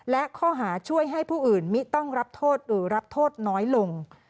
และข้อหาช่วยให้ผู้อื่นมิต้องรับโทษหรือรับโทษน้อยลง